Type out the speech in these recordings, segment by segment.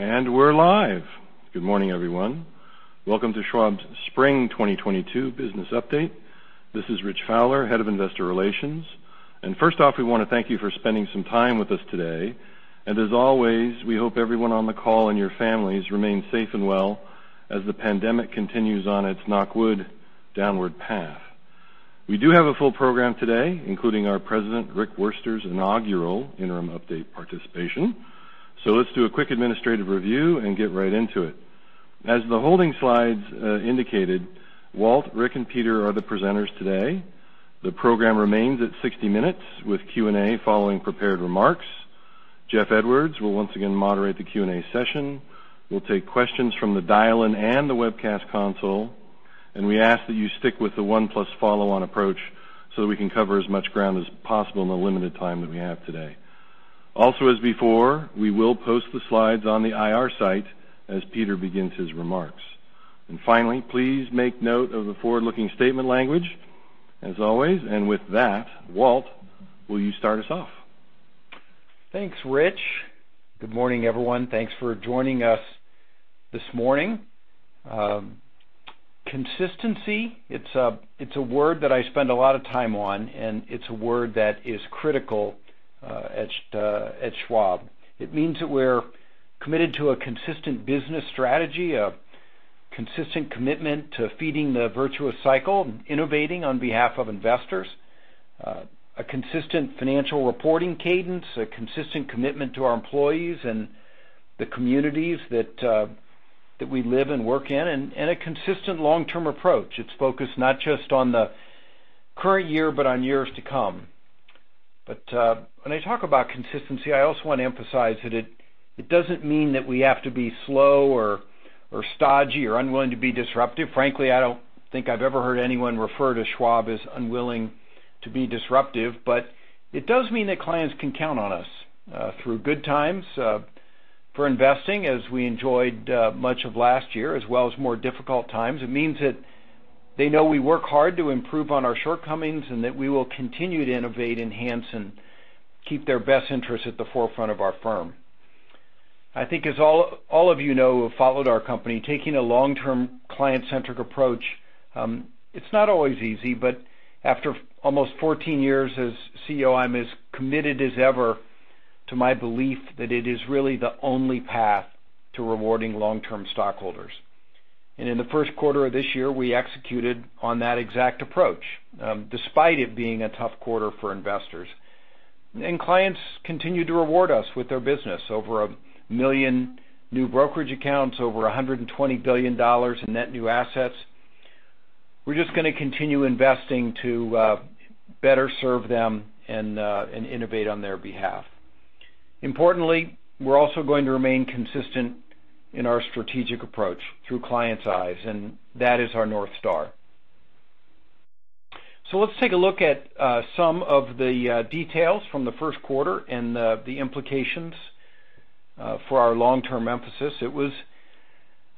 We're live. Good morning, everyone. Welcome to Schwab's Spring 2022 business update. This is Rich Fowler, Head of Investor Relations. First off, we wanna thank you for spending some time with us today. As always, we hope everyone on the call and your families remain safe and well as the pandemic continues on its, knock wood, downward path. We do have a full program today, including our president, Rick Wurster's inaugural interim update participation. Let's do a quick administrative review and get right into it. As the slides indicated, Walt, Rick, and Peter are the presenters today. The program remains at 60 minutes with Q&A following prepared remarks. Jeff Edwards will once again moderate the Q&A session. We'll take questions from the dial-in and the webcast console, and we ask that you stick with the one-plus follow on approach so that we can cover as much ground as possible in the limited time that we have today. Also as before, we will post the slides on the IR site as Peter begins his remarks. Finally, please make note of the forward-looking statement language as always. With that, Walt, will you start us off? Thanks, Rich. Good morning, everyone. Thanks for joining us this morning. Consistency, it's a word that I spend a lot of time on, and it's a word that is critical at Schwab. It means that we're committed to a consistent business strategy, a consistent commitment to feeding the Virtuous Cycle and innovating on behalf of investors, a consistent financial reporting cadence, a consistent commitment to our employees and the communities that we live and work in, and a consistent long-term approach. It's focused not just on the current year but on years to come. When I talk about consistency, I also want to emphasize that it doesn't mean that we have to be slow or stodgy or unwilling to be disruptive. Frankly, I don't think I've ever heard anyone refer to Schwab as unwilling to be disruptive. It does mean that clients can count on us through good times for investing as we enjoyed much of last year as well as more difficult times. It means that they know we work hard to improve on our shortcomings and that we will continue to innovate, enhance, and keep their best interests at the forefront of our firm. I think as all of you know who have followed our company, taking a long-term client-centric approach, it's not always easy, but after almost 14 years as CEO, I'm as committed as ever to my belief that it is really the only path to rewarding long-term stockholders. In the first quarter of this year, we executed on that exact approach, despite it being a tough quarter for investors. Clients continued to reward us with their business, over 1 million new brokerage accounts, over $120 billion in net new assets. We're just gonna continue investing to better serve them and innovate on their behalf. Importantly, we're also going to remain consistent in our strategic approach Through Clients' Eyes, and that is our North Star. Let's take a look at some of the details from the first quarter and the implications for our long-term emphasis. It was,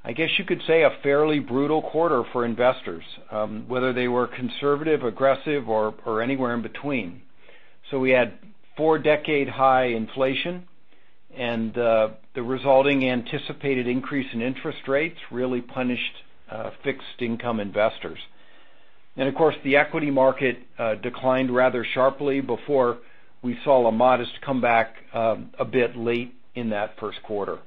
I guess you could say, a fairly brutal quarter for investors, whether they were conservative, aggressive, or anywhere in between. We had four-decade high inflation, and the resulting anticipated increase in interest rates really punished fixed income investors. Of course, the equity market declined rather sharply before we saw a modest comeback a bit late in that first quarter.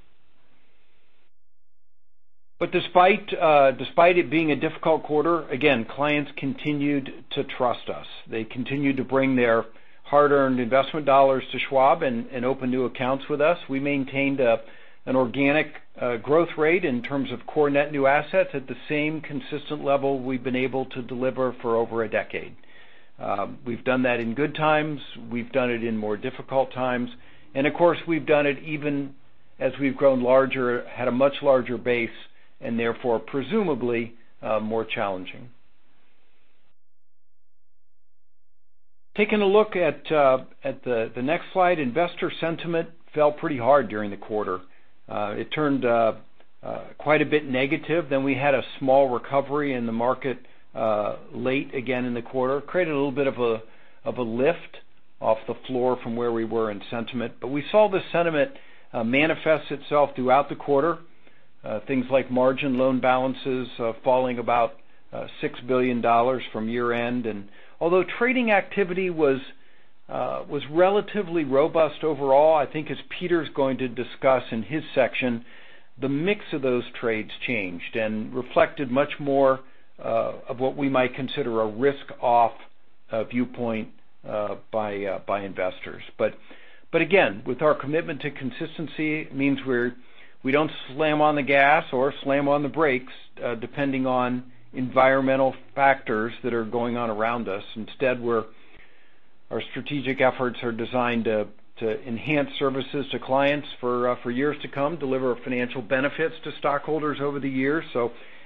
Despite it being a difficult quarter, again, clients continued to trust us. They continued to bring their hard-earned investment dollars to Schwab and open new accounts with us. We maintained an organic growth rate in terms of core net new assets at the same consistent level we've been able to deliver for over a decade. We've done that in good times, we've done it in more difficult times, and of course, we've done it even as we've grown larger, had a much larger base, and therefore presumably more challenging. Taking a look at the next slide, investor sentiment fell pretty hard during the quarter. It turned quite a bit negative. We had a small recovery in the market late again in the quarter, created a little bit of a lift off the floor from where we were in sentiment. We saw the sentiment manifest itself throughout the quarter, things like margin loan balances falling about $6 billion from year-end. Although trading activity was relatively robust overall, I think as Peter's going to discuss in his section, the mix of those trades changed and reflected much more of what we might consider a risk-off viewpoint by investors. Again, with our commitment to consistency, it means we don't slam on the gas or slam on the brakes, depending on environmental factors that are going on around us. Instead, our strategic efforts are designed to enhance services to clients for years to come, deliver financial benefits to stockholders over the years.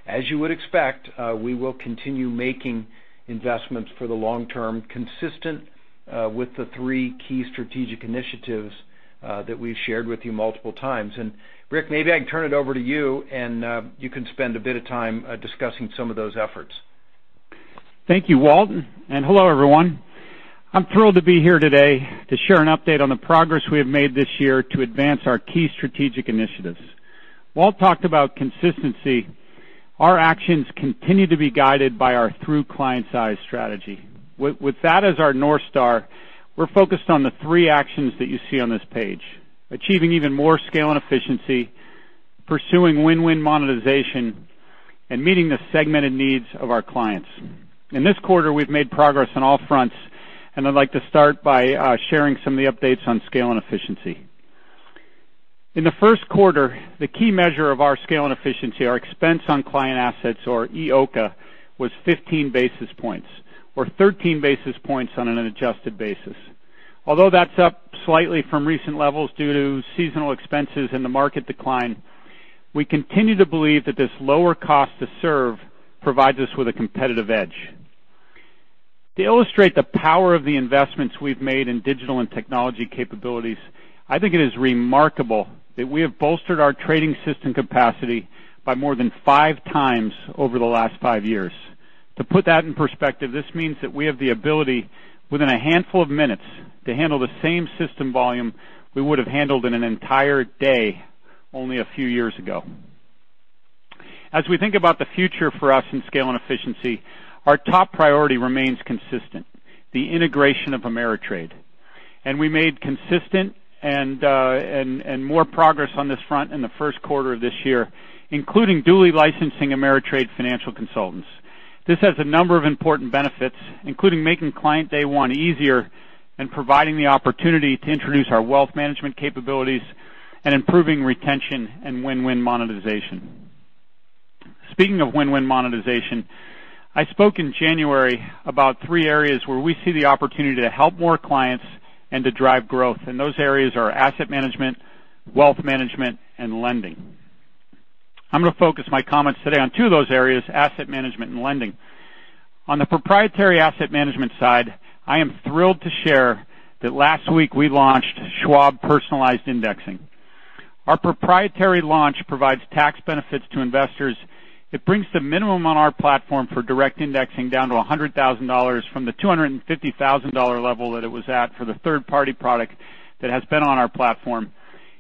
As you would expect, we will continue making investments for the long term, consistent with the three key strategic initiatives that we've shared with you multiple times. Rick, maybe I can turn it over to you, and you can spend a bit of time discussing some of those efforts. Thank you, Walt, and hello, everyone. I'm thrilled to be here today to share an update on the progress we have made this year to advance our key strategic initiatives. Walt talked about consistency. Our actions continue to be guided by our Through Clients' Eyes strategy. With that as our North Star, we're focused on the three actions that you see on this page, achieving even more scale and efficiency, pursuing Win–Win Monetization, and meeting the segmented needs of our clients. In this quarter, we've made progress on all fronts, and I'd like to start by sharing some of the updates on scale and efficiency. In the first quarter, the key measure of our scale and efficiency, our expense on client assets or EOCA, was 15 basis points, or 13 basis points on an adjusted basis. Although that's up slightly from recent levels due to seasonal expenses and the market decline, we continue to believe that this lower cost to serve provides us with a competitive edge. To illustrate the power of the investments we've made in digital and technology capabilities, I think it is remarkable that we have bolstered our trading system capacity by more than five times over the last five years. To put that in perspective, this means that we have the ability, within a handful of minutes, to handle the same system volume we would have handled in an entire day only a few years ago. As we think about the future for us in scale and efficiency, our top priority remains consistent, the integration of Ameritrade. We made consistent and more progress on this front in the first quarter of this year, including dually licensing Ameritrade Financial Consultants. This has a number of important benefits, including making client day one easier and providing the opportunity to introduce our wealth management capabilities and improving retention and Win–Win Monetization. Speaking of Win–Win Monetization, I spoke in January about three areas where we see the opportunity to help more clients and to drive growth, and those areas are asset management, wealth management, and lending. I'm gonna focus my comments today on two of those areas, asset management and lending. On the proprietary asset management side, I am thrilled to share that last week we launched Schwab Personalized Indexing. Our proprietary launch provides tax benefits to investors. It brings the minimum on our platform for direct indexing down to $100,000 from the $250,000 level that it was at for the third-party product that has been on our platform.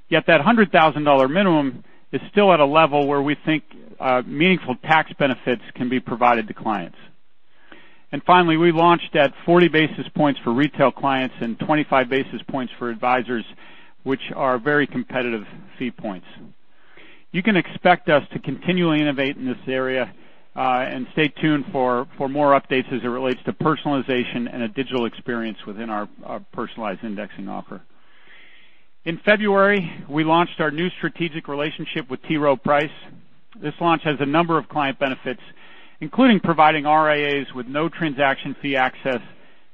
Yet that $100,000 minimum is still at a level where we think meaningful tax benefits can be provided to clients. Finally, we launched at 40 basis points for retail clients and 25 basis points for advisors, which are very competitive fee points. You can expect us to continually innovate in this area, and stay tuned for more updates as it relates to personalization and a digital experience within our Personalized Indexing offer. In February, we launched our new strategic relationship with T. Rowe Price. This launch has a number of client benefits, including providing RIAs with no transaction fee access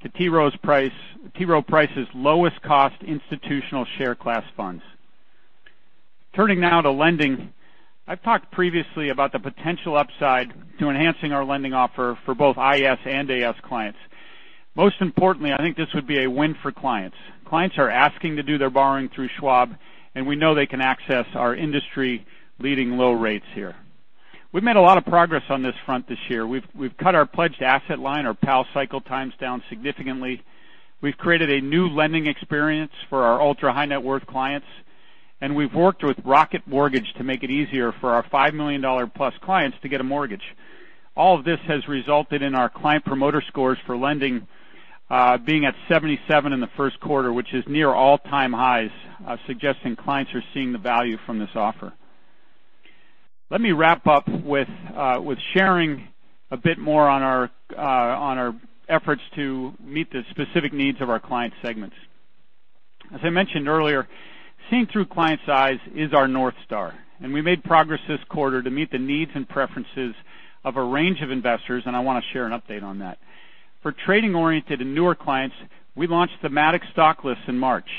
to T. Rowe Price's lowest cost institutional share class funds. Turning now to lending. I've talked previously about the potential upside to enhancing our lending offer for both IS and AS clients. Most importantly, I think this would be a win for clients. Clients are asking to do their borrowing through Schwab, and we know they can access our industry-leading low rates here. We've made a lot of progress on this front this year. We've cut our pledged asset line, our PAL cycle times down significantly. We've created a new lending experience for our ultra-high net worth clients, and we've worked with Rocket Mortgage to make it easier for our $5 million-plus clients to get a mortgage. All of this has resulted in our Client Promoter Score for lending being at 77 in the first quarter, which is near all-time highs, suggesting clients are seeing the value from this offer. Let me wrap up with sharing a bit more on our efforts to meet the specific needs of our client segments. As I mentioned earlier, seeing Through Clients' Eyes is our North Star, and we made progress this quarter to meet the needs and preferences of a range of investors, and I wanna share an update on that. For trading-oriented and newer clients, we launched the thematic stock lists in March.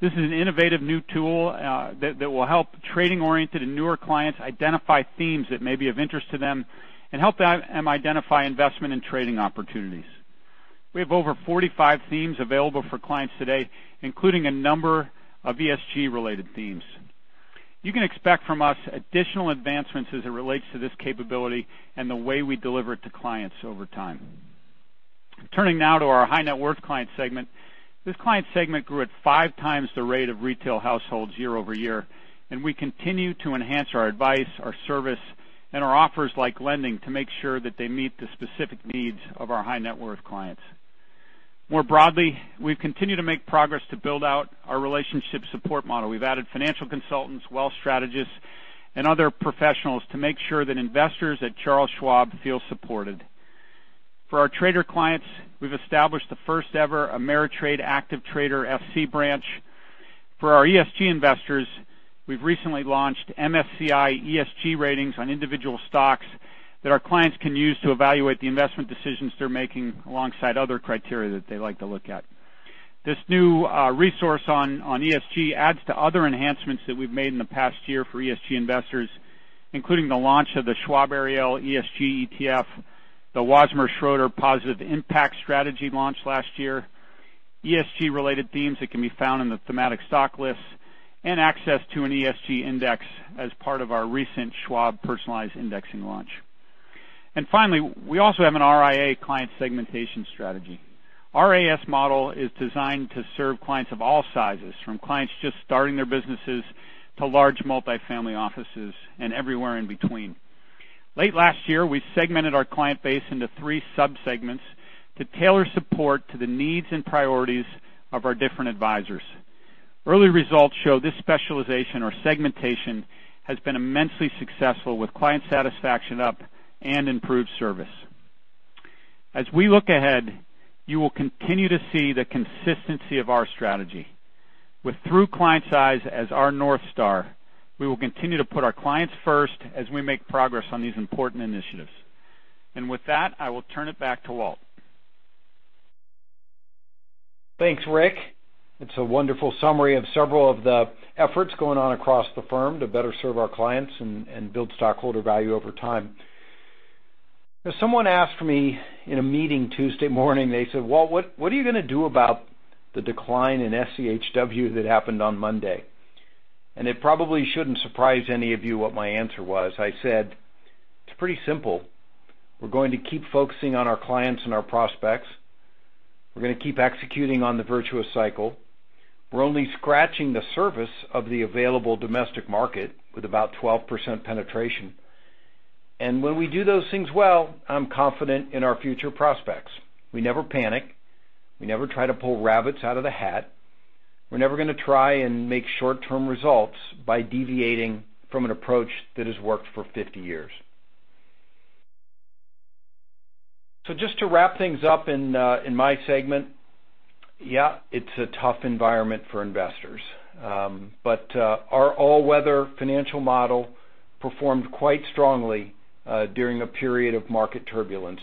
This is an innovative new tool that will help trading-oriented and newer clients identify themes that may be of interest to them and help them identify investment and trading opportunities. We have over 45 themes available for clients today, including a number of ESG-related themes. You can expect from us additional advancements as it relates to this capability and the way we deliver it to clients over time. Turning now to our high net worth client segment. This client segment grew at 5x the rate of retail households year-over-year, and we continue to enhance our advice, our service, and our offers like lending to make sure that they meet the specific needs of our high net worth clients. More broadly, we've continued to make progress to build out our relationship support model. We've added financial consultants, wealth strategists, and other professionals to make sure that investors at Charles Schwab feel supported. For our trader clients, we've established the first ever TD Ameritrade Active Trader Branch. For our ESG investors, we've recently launched MSCI ESG ratings on individual stocks that our clients can use to evaluate the investment decisions they're making alongside other criteria that they like to look at. This new resource on ESG adds to other enhancements that we've made in the past year for ESG investors, including the launch of the Schwab Ariel ESG ETF, the Wasmer Schroeder Positive Impact Strategy launch last year, ESG related themes that can be found in the thematic stock lists and access to an ESG index as part of our recent Schwab Personalized Indexing launch. Finally, we also have an RIA client segmentation strategy. Our AS model is designed to serve clients of all sizes, from clients just starting their businesses to large multifamily offices and everywhere in between. Late last year, we segmented our client base into three subsegments to tailor support to the needs and priorities of our different advisors. Early results show this specialization or segmentation has been immensely successful, with client satisfaction up and improved service. As we look ahead, you will continue to see the consistency of our strategy. With Through Clients' Eyes as our North Star, we will continue to put our clients first as we make progress on these important initiatives. With that, I will turn it back to Walt. Thanks, Rick. It's a wonderful summary of several of the efforts going on across the firm to better serve our clients and build stockholder value over time. Someone asked me in a meeting Tuesday morning, they said, "Walt, what are you going to do about the decline in SCHW that happened on Monday?" It probably shouldn't surprise any of you what my answer was. I said, "It's pretty simple. We're going to keep focusing on our clients and our prospects. We're going to keep executing on the Virtuous Cycle. We're only scratching the surface of the available domestic market with about 12% penetration. When we do those things well, I'm confident in our future prospects. We never panic. We never try to pull rabbits out of the hat. We're never going to try and make short-term results by deviating from an approach that has worked for 50 years. Just to wrap things up in my segment. Yeah, it's a tough environment for investors, but our all-weather financial model performed quite strongly during a period of market turbulence.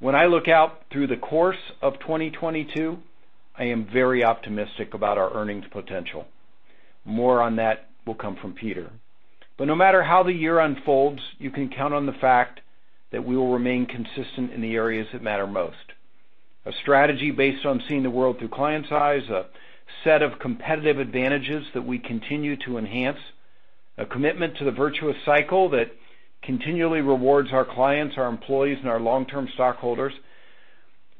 When I look out through the course of 2022, I am very optimistic about our earnings potential. More on that will come from Peter. No matter how the year unfolds, you can count on the fact that we will remain consistent in the areas that matter most. A strategy based on seeing the world through clients' eyes, a set of competitive advantages that we continue to enhance, a commitment to the Virtuous Cycle that continually rewards our clients, our employees, and our long-term stockholders.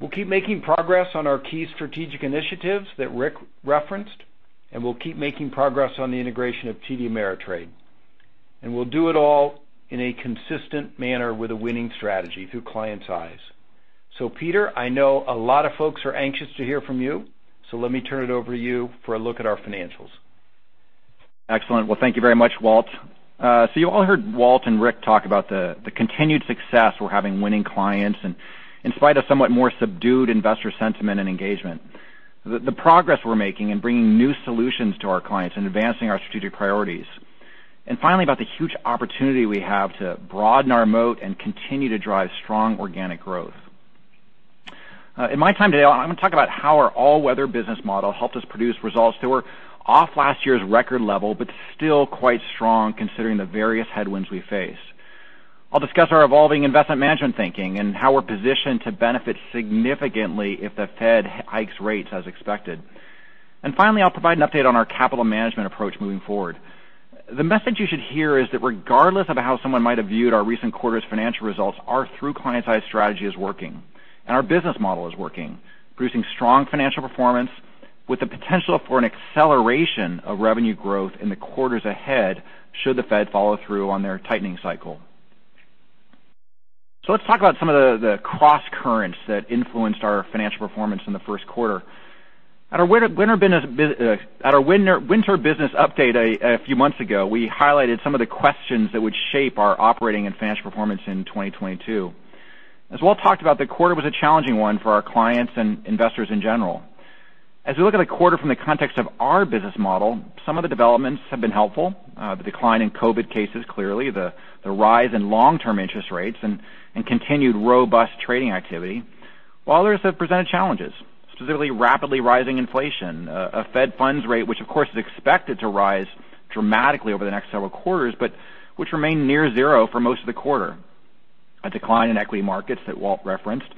We'll keep making progress on our key strategic initiatives that Rick referenced, and we'll keep making progress on the integration of TD Ameritrade. We'll do it all in a consistent manner with a winning strategy through Clients' Eyes. Peter, I know a lot of folks are anxious to hear from you, so let me turn it over to you for a look at our financials. Excellent. Well, thank you very much, Walt. So you all heard Walt and Rick talk about the continued success we're having winning clients and in spite of somewhat more subdued investor sentiment and engagement. The progress we're making in bringing new solutions to our clients and advancing our strategic priorities. Finally, about the huge opportunity we have to broaden our moat and continue to drive strong organic growth. In my time today, I'm going to talk about how our all-weather business model helped us produce results that were off last year's record level, but still quite strong considering the various headwinds we face. I'll discuss our evolving investment management thinking and how we're positioned to benefit significantly if the Fed hikes rates as expected. Finally, I'll provide an update on our capital management approach moving forward. The message you should hear is that regardless of how someone might have viewed our recent quarter's financial results, our Through Clients' Eyes strategy is working and our business model is working, producing strong financial performance with the potential for an acceleration of revenue growth in the quarters ahead should the Fed follow through on their tightening cycle. Let's talk about some of the crosscurrents that influenced our financial performance in the first quarter. At our Winter Business Update a few months ago, we highlighted some of the questions that would shape our operating and financial performance in 2022. As we talked about, the quarter was a challenging one for our clients and investors in general. As we look at the quarter from the context of our business model, some of the developments have been helpful. The decline in COVID cases, clearly, the rise in long-term interest rates and continued robust trading activity. While others have presented challenges, specifically rapidly rising inflation, a Fed funds rate, which of course, is expected to rise dramatically over the next several quarters, but which remained near zero for most of the quarter. A decline in equity markets that Walt referenced,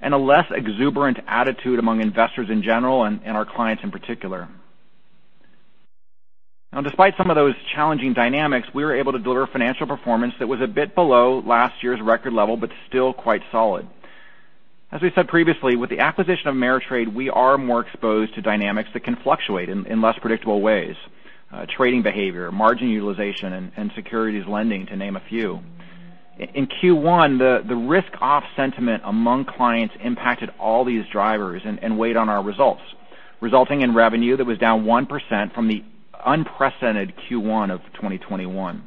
and a less exuberant attitude among investors in general and our clients in particular. Now, despite some of those challenging dynamics, we were able to deliver financial performance that was a bit below last year's record level, but still quite solid. As we said previously, with the acquisition of Ameritrade, we are more exposed to dynamics that can fluctuate in less predictable ways, trading behavior, margin utilization, and securities lending, to name a few. In Q1, the risk off sentiment among clients impacted all these drivers and weighed on our results, resulting in revenue that was down 1% from the unprecedented Q1 of 2021.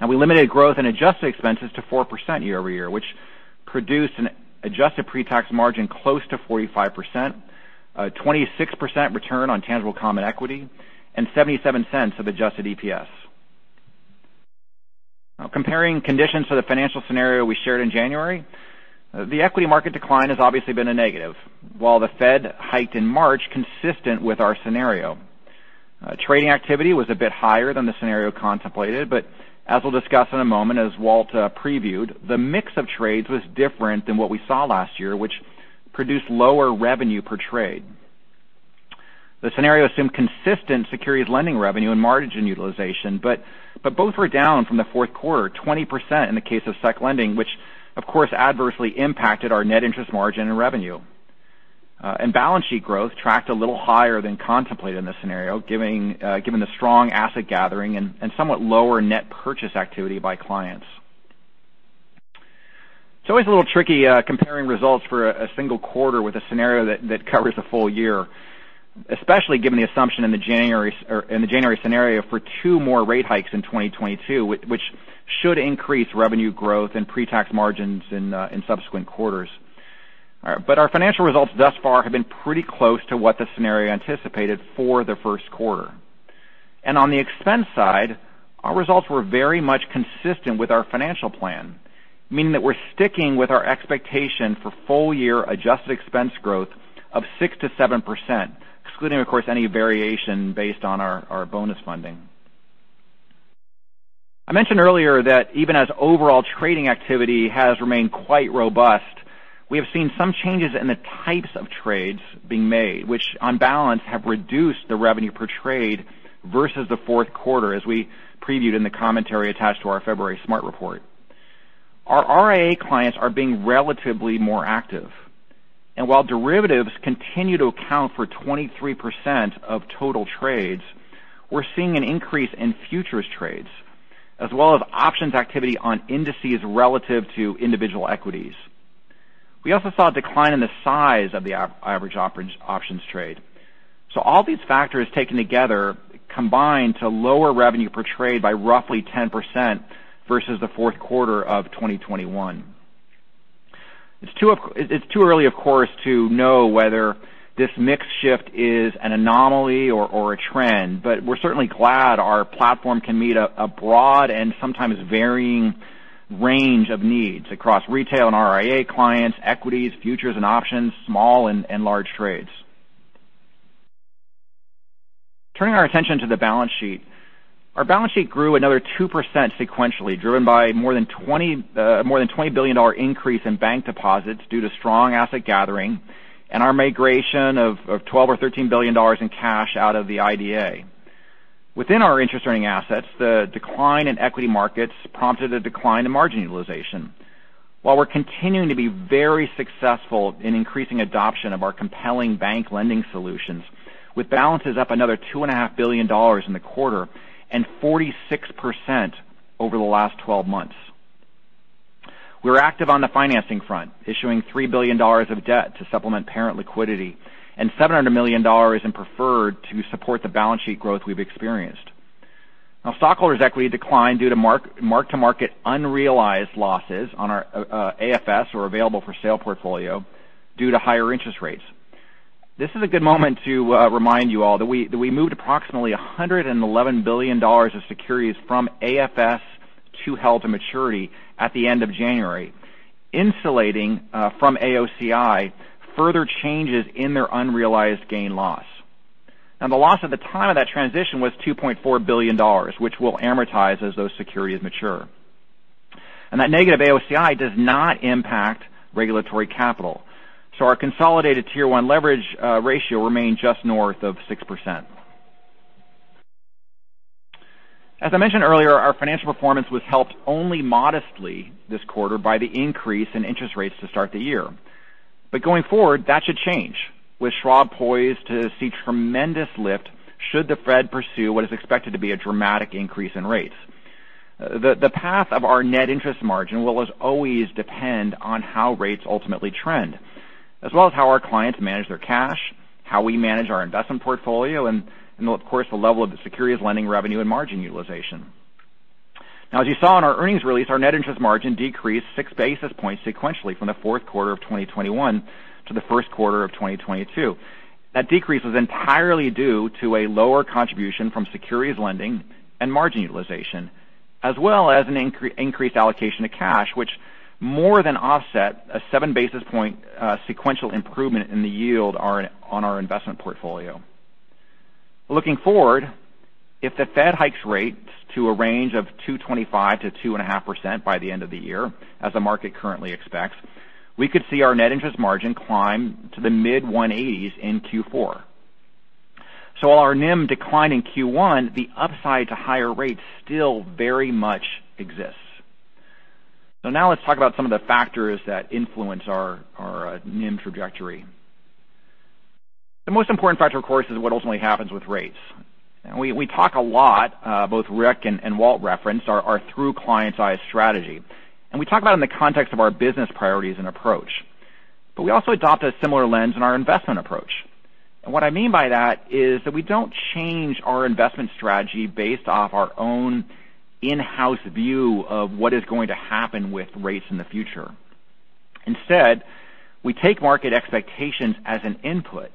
Now we limited growth and adjusted expenses to 4% year-over-year, which produced an adjusted pre-tax margin close to 45%, 26% return on tangible common equity, and $0.77 of adjusted EPS. Now comparing conditions to the financial scenario we shared in January, the equity market decline has obviously been a negative, while the Fed hiked in March, consistent with our scenario. Trading activity was a bit higher than the scenario contemplated, but as we'll discuss in a moment, as Walt previewed, the mix of trades was different than what we saw last year, which produced lower revenue per trade. The scenario assumed consistent securities lending revenue and margin utilization, but both were down from the fourth quarter, 20% in the case of securities lending, which of course adversely impacted our net interest margin and revenue. Balance sheet growth tracked a little higher than contemplated in this scenario, given the strong asset gathering and somewhat lower net purchase activity by clients. It's always a little tricky comparing results for a single quarter with a scenario that covers a full year, especially given the assumption in the January scenario for two more rate hikes in 2022, which should increase revenue growth and pre-tax margins in subsequent quarters. Our financial results thus far have been pretty close to what the scenario anticipated for the first quarter. On the expense side, our results were very much consistent with our financial plan, meaning that we're sticking with our expectation for full-year adjusted expense growth of 6%-7%, excluding, of course, any variation based on our bonus funding. I mentioned earlier that even as overall trading activity has remained quite robust, we have seen some changes in the types of trades being made which, on balance, have reduced the revenue per trade versus the fourth quarter, as we previewed in the commentary attached to our February SMART report. Our RIA clients are being relatively more active, and while derivatives continue to account for 23% of total trades, we're seeing an increase in futures trades as well as options activity on indices relative to individual equities. We also saw a decline in the size of the average options trade. All these factors taken together combine to lower revenue per trade by roughly 10% versus the fourth quarter of 2021. It's too early, of course, to know whether this mix shift is an anomaly or a trend, but we're certainly glad our platform can meet a broad and sometimes varying range of needs across retail and RIA clients, equities, futures and options, small and large trades. Turning our attention to the balance sheet. Our balance sheet grew another 2% sequentially, driven by more than $20 billion increase in bank deposits due to strong asset gathering and our migration of $12 billion or $13 billion in cash out of the IDA. Within our interest earning assets, the decline in equity markets prompted a decline in margin utilization. While we're continuing to be very successful in increasing adoption of our compelling bank lending solutions, with balances up another $2.5 billion in the quarter and 46% over the last 12 months. We're active on the financing front, issuing $3 billion of debt to supplement parent liquidity and $700 million in preferred to support the balance sheet growth we've experienced. Now stockholders equity declined due to mark-to-market unrealized losses on our AFS or available for sale portfolio due to higher interest rates. This is a good moment to remind you all that we moved approximately $111 billion of securities from AFS to held to maturity at the end of January, insulating from AOCI further changes in their unrealized gain loss. Now, the loss at the time of that transition was $2.4 billion, which will amortize as those securities mature. That negative AOCI does not impact regulatory capital. Our consolidated Tier 1 leverage ratio remained just north of 6%. As I mentioned earlier, our financial performance was helped only modestly this quarter by the increase in interest rates to start the year. Going forward, that should change, with Schwab poised to see tremendous lift should the Fed pursue what is expected to be a dramatic increase in rates. The path of our net interest margin will as always depend on how rates ultimately trend, as well as how our clients manage their cash, how we manage our investment portfolio, and of course, the level of the securities lending revenue and margin utilization. Now, as you saw in our earnings release, our net interest margin decreased 6 basis points sequentially from the fourth quarter of 2021 to the first quarter of 2022. That decrease was entirely due to a lower contribution from securities lending and margin utilization, as well as an increased allocation of cash, which more than offset a 7 basis point sequential improvement in the yield on our investment portfolio. Looking forward, if the Fed hikes rates to a range of 2.25%-2.5% by the end of the year, as the market currently expects, we could see our net interest margin climb to the mid-180s in Q4. While our NIM declined in Q1, the upside to higher rates still very much exists. Now let's talk about some of the factors that influence our NIM trajectory. The most important factor, of course, is what ultimately happens with rates. We talk a lot. Both Rick and Walt referenced our Through Clients' Eyes strategy, and we talk about it in the context of our business priorities and approach. We also adopt a similar lens in our investment approach. What I mean by that is that we don't change our investment strategy based off our own in-house view of what is going to happen with rates in the future. Instead, we take market expectations as an input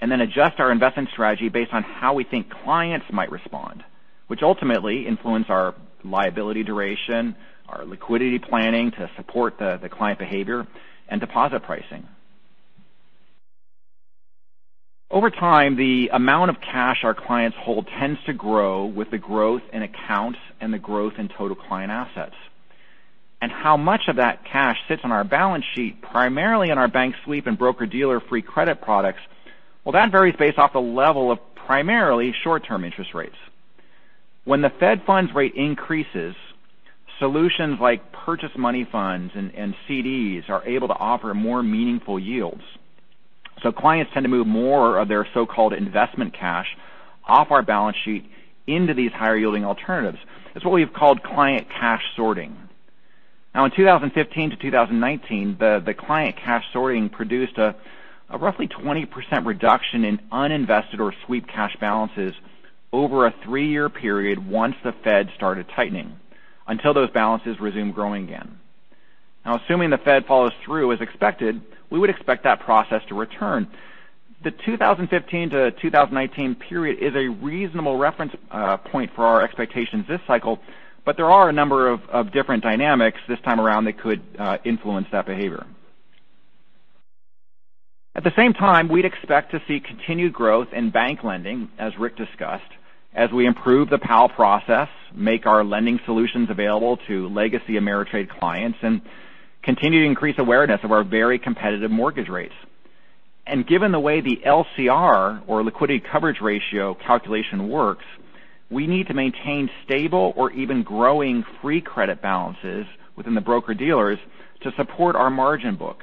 and then adjust our investment strategy based on how we think clients might respond, which ultimately influences our liability duration, our liquidity planning to support the client behavior and deposit pricing. Over time, the amount of cash our clients hold tends to grow with the growth in accounts and the growth in total client assets. How much of that cash sits on our balance sheet, primarily in our bank sweep and broker-dealer free credit balances, well, that varies based off the level of primarily short-term interest rates. When the Fed funds rate increases, solutions like money market funds and CDs are able to offer more meaningful yields. Clients tend to move more of their so-called investment cash off our balance sheet into these higher yielding alternatives. That's what we've called client cash sorting. Now in 2015 to 2019, the client cash sorting produced a roughly 20% reduction in uninvested or sweep cash balances over a three-year period once the Fed started tightening until those balances resumed growing again. Now assuming the Fed follows through as expected, we would expect that process to return. The 2015 to 2019 period is a reasonable reference point for our expectations this cycle, but there are a number of different dynamics this time around that could influence that behavior. At the same time, we'd expect to see continued growth in bank lending, as Rick discussed, as we improve the PAL process, make our lending solutions available to legacy Ameritrade clients, and continue to increase awareness of our very competitive mortgage rates. Given the way the LCR, or liquidity coverage ratio calculation works, we need to maintain stable or even growing free credit balances within the broker-dealers to support our margin book.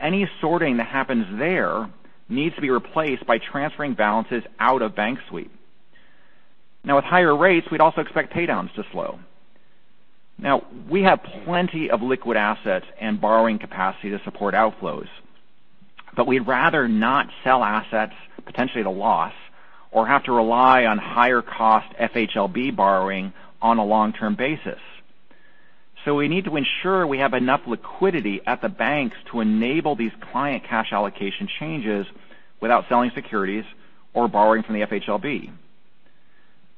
Any sorting that happens there needs to be replaced by transferring balances out of bank sweep. Now with higher rates, we'd also expect pay downs to slow. Now we have plenty of liquid assets and borrowing capacity to support outflows, but we'd rather not sell assets potentially at a loss or have to rely on higher cost FHLB borrowing on a long-term basis. We need to ensure we have enough liquidity at the banks to enable these client cash allocation changes without selling securities or borrowing from the FHLB.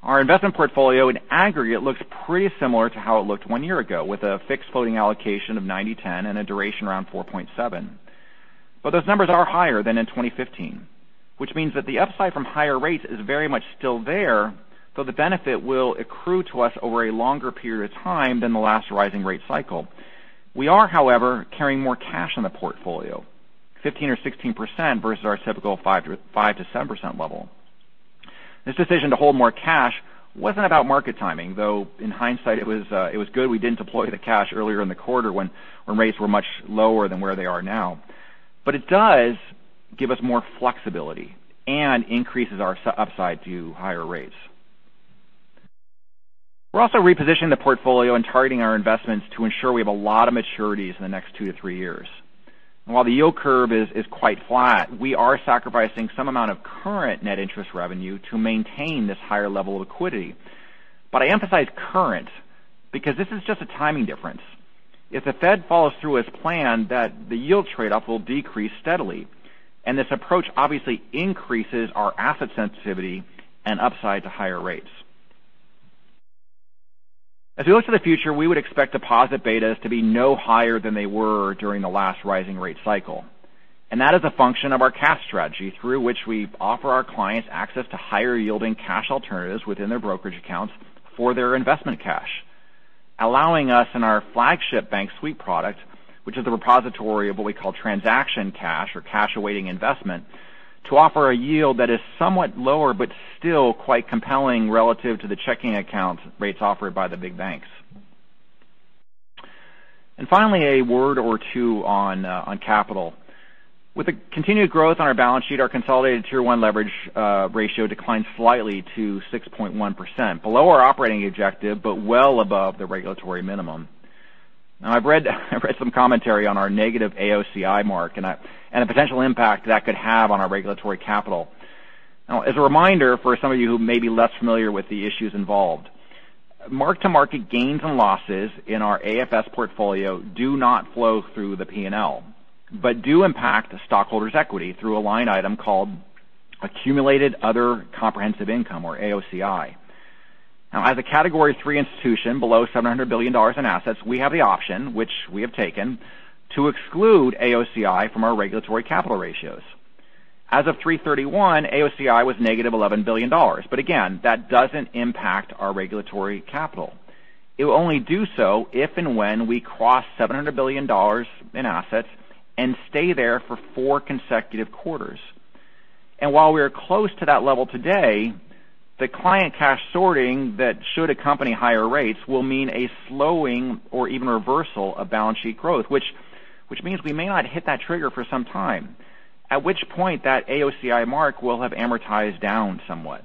Our investment portfolio in aggregate looks pretty similar to how it looked one year ago with a fixed floating allocation of 90/10 and a duration around 4.7 years. Those numbers are higher than in 2015, which means that the upside from higher rates is very much still there, though the benefit will accrue to us over a longer period of time than the last rising rate cycle. We are, however, carrying more cash in the portfolio, 15% or 16% versus our typical 5%-7% level. This decision to hold more cash wasn't about market timing, though in hindsight, it was good we didn't deploy the cash earlier in the quarter when rates were much lower than where they are now. It does give us more flexibility and increases our upside to higher rates. We're also repositioning the portfolio and targeting our investments to ensure we have a lot of maturities in the next two to three years. While the yield curve is quite flat, we are sacrificing some amount of current net interest revenue to maintain this higher level of liquidity. I emphasize current because this is just a timing difference. If the Fed follows through as planned, that the yield trade-off will decrease steadily, and this approach obviously increases our asset sensitivity and upside to higher rates. As we look to the future, we would expect deposit betas to be no higher than they were during the last rising rate cycle. That is a function of our cash strategy through which we offer our clients access to higher yielding cash alternatives within their brokerage accounts for their investment cash, allowing us in our flagship bank sweep product, which is the repository of what we call transaction cash or cash awaiting investment, to offer a yield that is somewhat lower but still quite compelling relative to the checking account rates offered by the big banks. Finally, a word or two on on capital. With the continued growth on our balance sheet, our consolidated Tier 1 leverage ratio declined slightly to 6.1%, below our operating objective, but well above the regulatory minimum. Now I've read some commentary on our negative AOCI mark and the potential impact that could have on our regulatory capital. Now as a reminder for some of you who may be less familiar with the issues involved, mark-to-market gains and losses in our AFS portfolio do not flow through the P&L, but do impact the stockholders' equity through a line item called Accumulated Other Comprehensive Income, or AOCI. Now as a Category III institution below $700 billion in assets, we have the option, which we have taken, to exclude AOCI from our regulatory capital ratios. As of 3/31, AOCI was -$11 billion but again, that doesn't impact our regulatory capital. It will only do so if and when we cross $700 billion in assets and stay there for four consecutive quarters. While we are close to that level today, the client cash sorting that should accompany higher rates will mean a slowing or even reversal of balance sheet growth, which means we may not hit that trigger for some time, at which point that AOCI mark will have amortized down somewhat.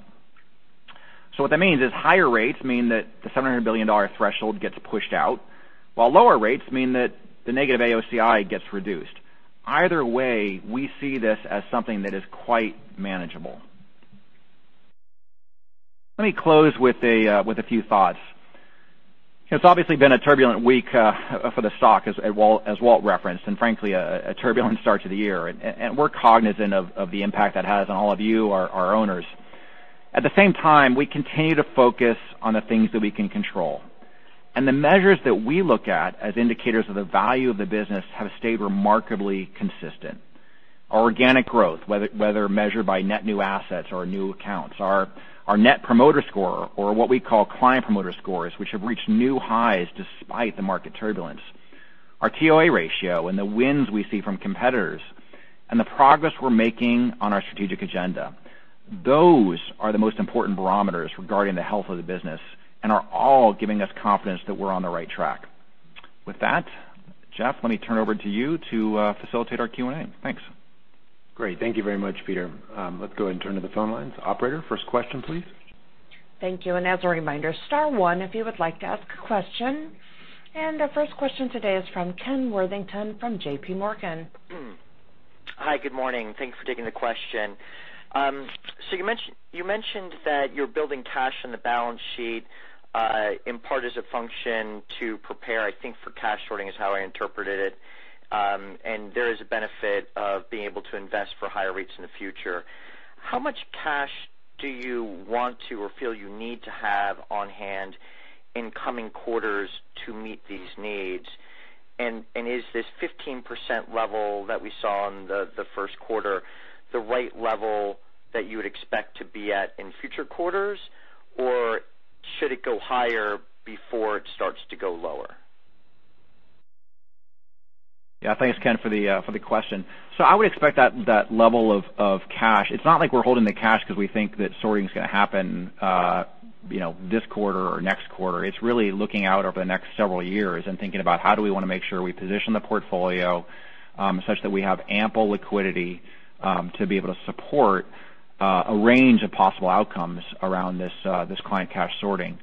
What that means is higher rates mean that the $700 billion threshold gets pushed out, while lower rates mean that the negative AOCI gets reduced. Either way, we see this as something that is quite manageable. Let me close with a few thoughts. It's obviously been a turbulent week for the stock as Walt referenced, and frankly a turbulent start to the year. We're cognizant of the impact that has on all of you, our owners. At the same time, we continue to focus on the things that we can control. The measures that we look at as indicators of the value of the business have stayed remarkably consistent. Our organic growth, whether measured by net new assets or new accounts, our net promoter score or what we call Client Promoter Scores, which have reached new highs despite the market turbulence. Our TOA ratio and the wins we see from competitors and the progress we're making on our strategic agenda. Those are the most important barometers regarding the health of the business and are all giving us confidence that we're on the right track. With that, Jeff, let me turn over to you to facilitate our Q&A. Thanks. Great. Thank you very much, Peter. Let's go ahead and turn to the phone lines. Operator, first question, please. Thank you. As a reminder, star one if you would like to ask a question. Our first question today is from Ken Worthington from JPMorgan. Hi, good morning. Thanks for taking the question. You mentioned that you're building cash in the balance sheet, in part as a function to prepare, I think, for cash sorting is how I interpreted it. There is a benefit of being able to invest for higher rates in the future. How much cash do you want to or feel you need to have on-hand in coming quarters to meet these needs? Is this 15% level that we saw on the first quarter the right level that you would expect to be at in future quarters, or should it go higher before it starts to go lower? Yeah. Thanks, Ken, for the question. So I would expect that level of cash. It's not like we're holding the cash because we think that sorting is going to happen, you know, this quarter or next quarter. It's really looking out over the next several years and thinking about how do we want to make sure we position the portfolio such that we have ample liquidity to be able to support a range of possible outcomes around this client cash sorting.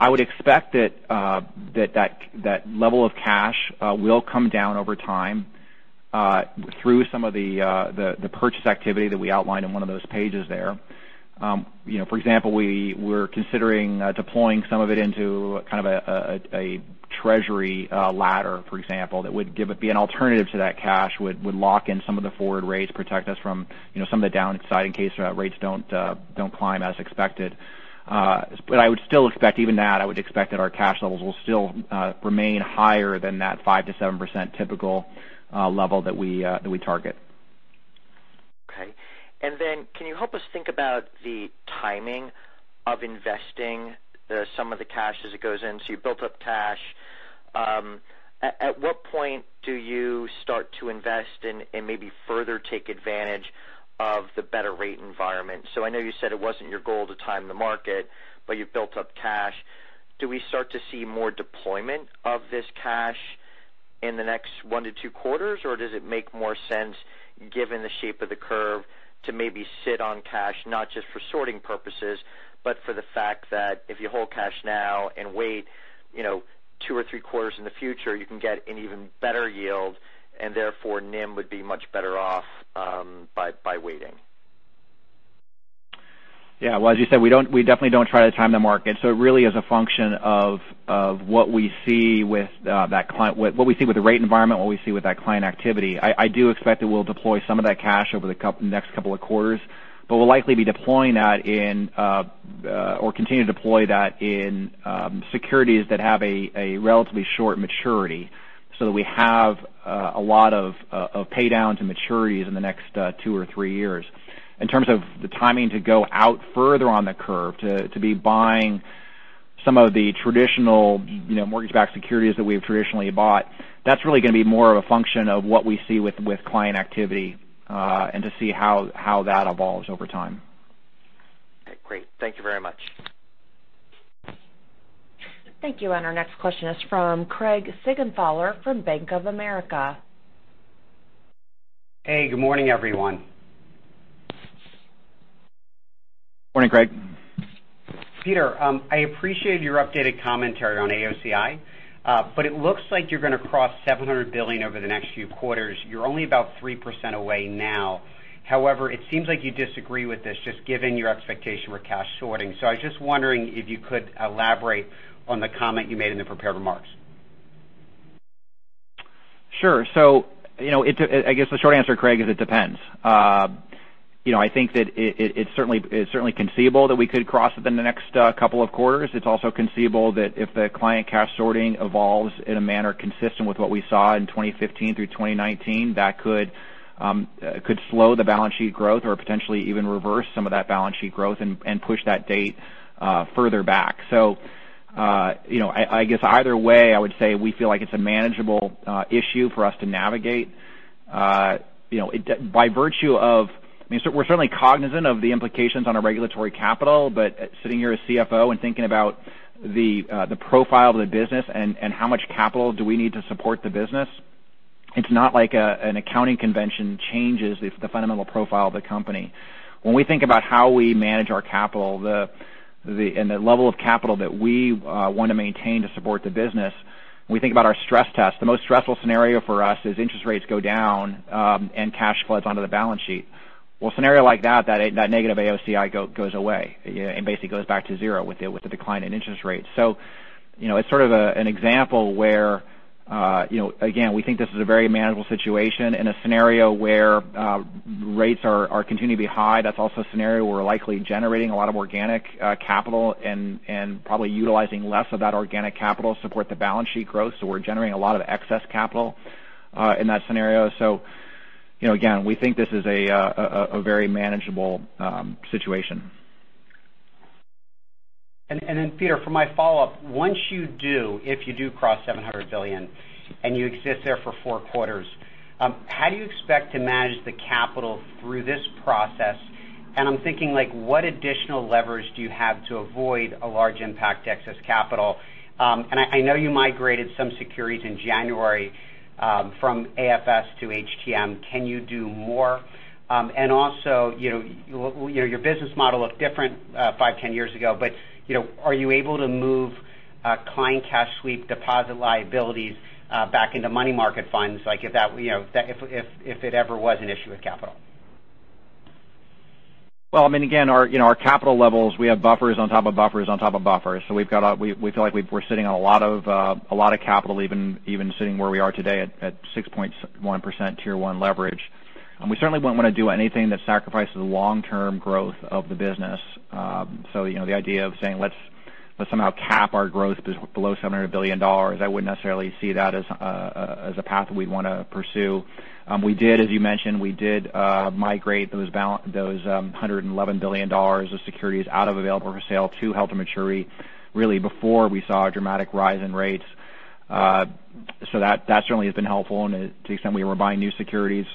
I would expect that level of cash will come down over time through some of the purchase activity that we outlined in one of those pages there. You know, for example, we're considering deploying some of it into kind of a treasury ladder, for example, that would be an alternative to that cash that would lock in some of the forward rates, protect us from, you know, some of the downside in case rates don't climb as expected. I would still expect even that. I would expect that our cash levels will still remain higher than that 5%-7% typical level that we target. Okay. Then can you help us think about the timing of investing some of the cash as it goes in? You built up cash. At what point do you start to invest and maybe further take advantage of the better rate environment? I know you said it wasn't your goal to time the market, but you've built up cash. Do we start to see more deployment of this cash in the next one to two quarters? Or does it make more sense, given the shape of the curve, to maybe sit on cash, not just for sorting purposes, but for the fact that if you hold cash now and wait, you know, two or three quarters in the future, you can get an even better yield and therefore NIM would be much better off, by waiting? Yeah. Well, as you said, we definitely don't try to time the market. It really is a function of what we see with the rate environment and what we see with that client activity. I do expect that we'll deploy some of that cash over the next couple of quarters, but we'll likely be deploying that in or continue to deploy that in securities that have a relatively short maturity so that we have a lot of pay downs and maturities in the next two or three years. In terms of the timing to go out further on the curve to be buying some of the traditional, you know, mortgage-backed securities that we've traditionally bought, that's really going to be more of a function of what we see with client activity, and to see how that evolves over time. Okay, great. Thank you very much. Thank you. Our next question is from Craig Siegenthaler from Bank of America. Hey, good morning, everyone. Morning, Craig. Peter, I appreciate your updated commentary on AOCI, but it looks like you're going to cross $700 billion over the next few quarters. You're only about 3% away now. However, it seems like you disagree with this just given your expectation for cash sorting. I was just wondering if you could elaborate on the comment you made in the prepared remarks. Sure. You know, I guess the short answer, Craig, is it depends. You know, I think that it's certainly conceivable that we could cross it in the next couple of quarters. It's also conceivable that if the client cash sorting evolves in a manner consistent with what we saw in 2015 through 2019, that could slow the balance sheet growth or potentially even reverse some of that balance sheet growth and push that date further back. You know, I guess either way, I would say we feel like it's a manageable issue for us to navigate. You know, by virtue of, I mean, we're certainly cognizant of the implications on our regulatory capital, but sitting here as CFO and thinking about the profile of the business and how much capital do we need to support the business, it's not like an accounting convention changes the fundamental profile of the company. When we think about how we manage our capital, and the level of capital that we want to maintain to support the business, when we think about our stress test, the most stressful scenario for us is interest rates go down, and cash floods onto the balance sheet. Well, a scenario like that negative AOCI goes away and basically goes back to zero with the decline in interest rates. You know, it's sort of an example where, you know, again, we think this is a very manageable situation. In a scenario where rates are continuing to be high, that's also a scenario we're likely generating a lot of organic capital and probably utilizing less of that organic capital to support the balance sheet growth. We're generating a lot of excess capital in that scenario. You know, again, we think this is a very manageable situation. Peter, for my follow-up, once you do, if you do cross $700 billion and you exist there for four quarters, how do you expect to manage the capital through this process? I'm thinking like, what additional leverage do you have to avoid a large impact to excess capital? I know you migrated some securities in January from AFS to HTM. Can you do more? Also, you know, your business model looked different 5, 10 years ago, but you know, are you able to move client cash sweep deposit liabilities back into money market funds, like if that, you know, if it ever was an issue with capital? Well, I mean, again, our, you know, our capital levels, we have buffers on top of buffers on top of buffers. We've got we feel like we're sitting on a lot of capital even sitting where we are today at 6.1% Tier 1 leverage. We certainly wouldn't want to do anything that sacrifices long-term growth of the business. You know, the idea of saying, let's somehow cap our growth below $700 billion, I wouldn't necessarily see that as a path that we'd wanna pursue. We did, as you mentioned, migrate those $111 billion of securities out of available for sale to held to maturity really before we saw a dramatic rise in rates. That certainly has been helpful. To the extent we were buying new securities,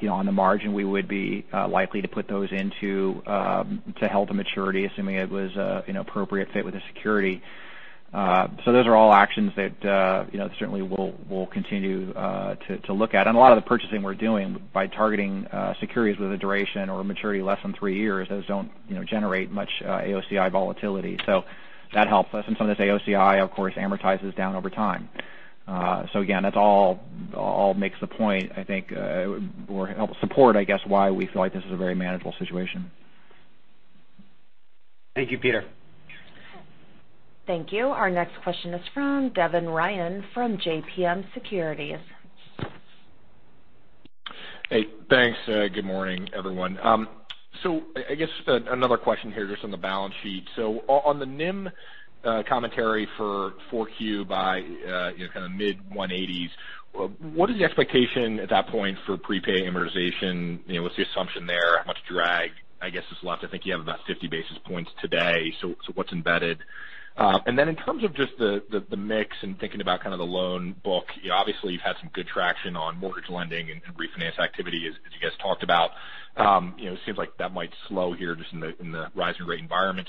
you know, on the margin, we would be likely to put those into to held to maturity, assuming it was an appropriate fit with the security. Those are all actions that, you know, certainly we'll continue to look at. A lot of the purchasing we're doing by targeting securities with a duration or maturity less than three years, those don't, you know, generate much AOCI volatility. That helps us. Some of this AOCI, of course, amortizes down over time. Again, that's all makes the point, I think, or help support, I guess, why we feel like this is a very manageable situation. Thank you, Peter. Thank you. Our next question is from Devin Ryan from JMP Securities. Hey, thanks. Good morning, everyone. I guess another question here just on the balance sheet. On the NIM commentary for Q4 by you know kind of mid-180s, what is the expectation at that point for premium amortization? You know, what's the assumption there? How much drag, I guess, is left? I think you have about 50 basis points today. What's embedded? And then in terms of just the mix and thinking about kind of the loan book, you know, obviously you've had some good traction on mortgage lending and refinance activity, as you guys talked about. You know, it seems like that might slow here just in the rising rate environment.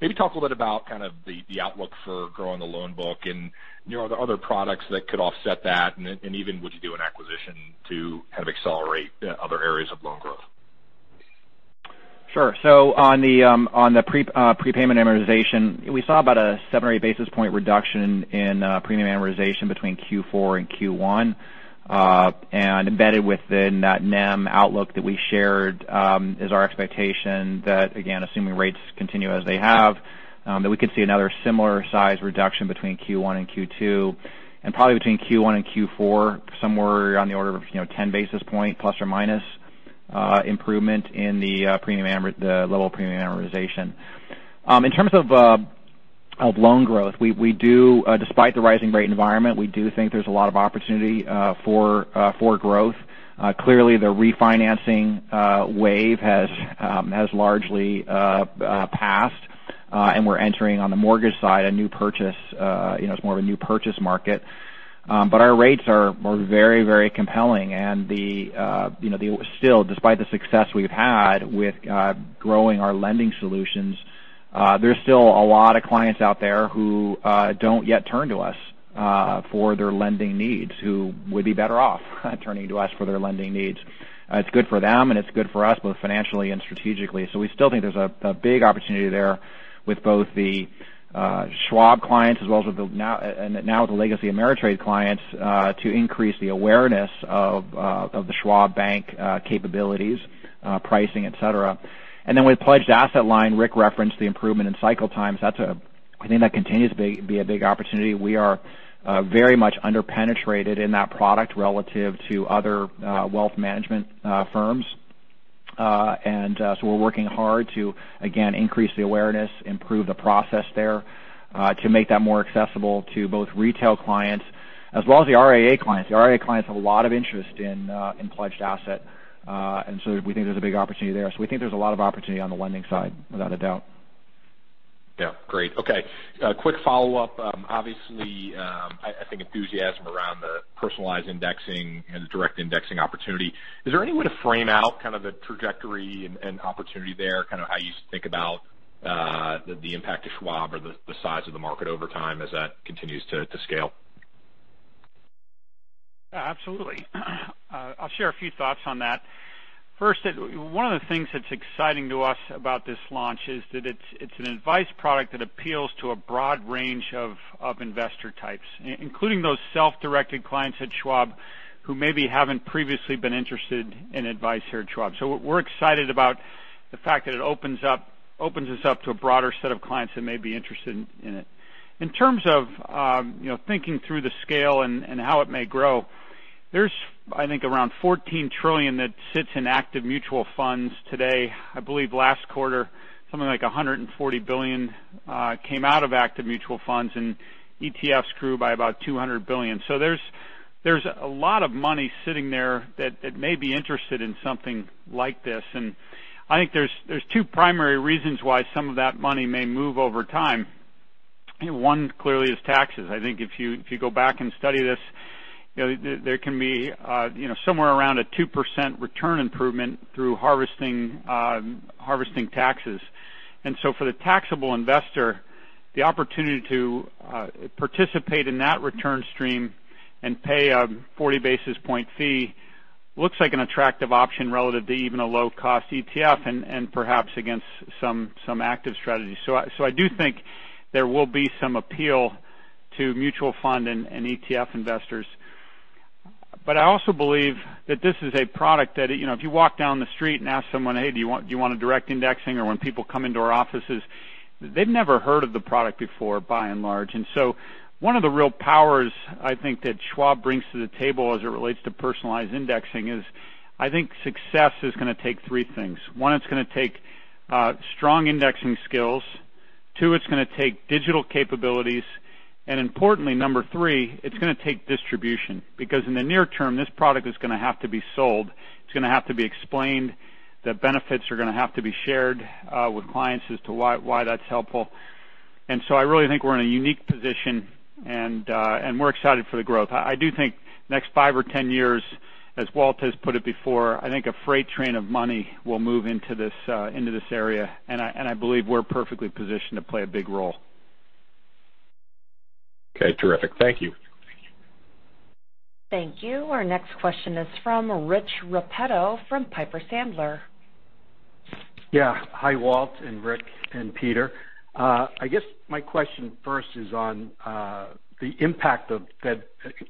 Maybe talk a little bit about kind of the outlook for growing the loan book and, you know, are there other products that could offset that? Even would you do an acquisition to kind of accelerate other areas of loan growth? Sure. On the prepayment amortization, we saw about a 7 or 8 basis point reduction in premium amortization between Q4 and Q1. Embedded within that NIM outlook that we shared is our expectation that, again, assuming rates continue as they have, that we could see another similar size reduction between Q1 and Q2, and probably between Q1 and Q4, somewhere on the order of, you know, 10 basis point plus or minus improvement in the level of premium amortization. In terms of loan growth, we do, despite the rising rate environment, we do think there's a lot of opportunity for growth. Clearly the refinancing wave has largely passed, and we're entering on the mortgage side a new purchase market. You know, it's more of a new purchase market. Our rates are very compelling. You know, still, despite the success we've had with growing our lending solutions, there's still a lot of clients out there who don't yet turn to us for their lending needs, who would be better off turning to us for their lending needs. It's good for them, and it's good for us, both financially and strategically. We still think there's a big opportunity there with both the Schwab clients as well as with the now the legacy Ameritrade clients to increase the awareness of the Schwab Bank capabilities, pricing, etc. With Pledged Asset Line, Rick referenced the improvement in cycle times. That's. I think that continues to be a big opportunity. We are very much under-penetrated in that product relative to other wealth management firms. We're working hard to again increase the awareness, improve the process there to make that more accessible to both retail clients as well as the RIA clients. The RIA clients have a lot of interest in pledged asset. We think there's a big opportunity there. We think there's a lot of opportunity on the lending side, without a doubt. Yeah. Great. Okay. Quick follow-up. Obviously, I think enthusiasm around the Personalized Indexing and the direct indexing opportunity. Is there any way to frame out kind of the trajectory and opportunity there, kind of how you think about the impact to Schwab or the size of the market over time as that continues to scale? Yeah, absolutely. I'll share a few thoughts on that. First, one of the things that's exciting to us about this launch is that it's an advice product that appeals to a broad range of investor types, including those self-directed clients at Schwab who maybe haven't previously been interested in advice here at Schwab. What we're excited about the fact that it opens us up to a broader set of clients that may be interested in it. In terms of you know, thinking through the scale and how it may grow, there's I think around $14 trillion that sits in active mutual funds today. I believe last quarter, something like $140 billion came out of active mutual funds, and ETFs grew by about $200 billion. There's a lot of money sitting there that may be interested in something like this. I think there's two primary reasons why some of that money may move over time. One clearly is taxes. I think if you go back and study this, you know, there can be somewhere around a 2% return improvement through tax harvesting. For the taxable investor, the opportunity to participate in that return stream and pay a 40 basis point fee looks like an attractive option relative to even a low-cost ETF and perhaps against some active strategies. I do think there will be some appeal to mutual fund and ETF investors. I also believe that this is a product that, you know, if you walk down the street and ask someone, "Hey, do you want a direct indexing?" Or when people come into our offices, they've never heard of the product before, by and large. One of the real powers I think that Schwab brings to the table as it relates to Personalized Indexing is I think success is gonna take three things. One, it's gonna take strong indexing skills. Two, it's gonna take digital capabilities. Importantly, number three, it's gonna take distribution because in the near term, this product is gonna have to be sold, it's gonna have to be explained, the benefits are gonna have to be shared with clients as to why that's helpful. I really think we're in a unique position, and we're excited for the growth. I do think next five or 10 years, as Walt has put it before, I think a freight train of money will move into this area. I believe we're perfectly positioned to play a big role. Okay. Terrific. Thank you. Thank you. Our next question is from Rich Repetto from Piper Sandler. Yeah. Hi, Walt, Rick and Peter. I guess my question first is on the impact of Fed